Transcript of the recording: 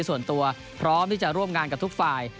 ส่วนตัวพร้อมที่จะร่วมงานกับทุกฝ่าย